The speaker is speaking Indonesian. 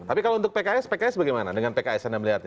tapi kalau untuk pks pks bagaimana dengan pks anda melihatnya